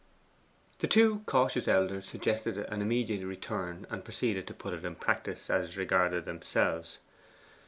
The two cautious elders suggested an immediate return, and proceeded to put it in practice as regarded themselves.